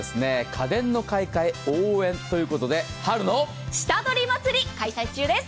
家電の買い替え応援ということで下取り祭、開催中です。